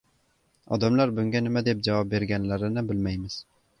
Odamlar bunga nima deb javob berganlarini bilmaymiz.